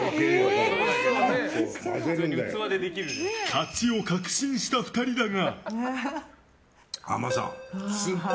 勝ちを確信した２人だが。